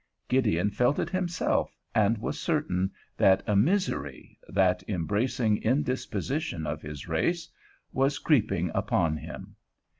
Gideon felt it himself, and was certain that a "misery," that embracing indisposition of his race, was creeping upon him.